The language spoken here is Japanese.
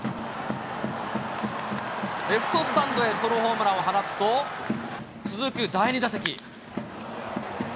レフトスタンドへソロホームランを放つと、続く第２打席。